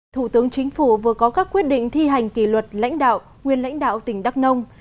thủ tướng chính phủ vừa có các quyết định thi hành kỷ luật lãnh đạo nguyên lãnh đạo tỉnh đắk nông